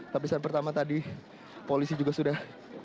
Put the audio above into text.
lapisan pertama tadi polisi juga sudah